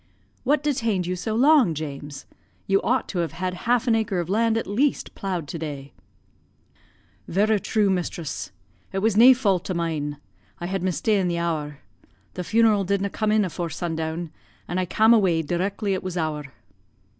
"What detained you so long, James? You ought to have had half an acre of land, at least, ploughed to day." "Verra true, mistress. It was nae fau't o' mine. I had mista'en the hour. The funeral didna' come in afore sun down, and I cam' awa' directly it was ower."